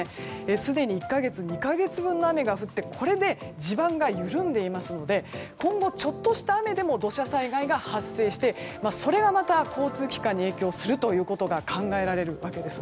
すでに１か月、２か月分の雨が降ってこれで地盤が緩んでいますので今後、ちょっとした雨でも土砂災害が発生してそれがまた交通機関に影響するということが考えられるわけです。